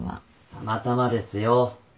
たまたまですよ。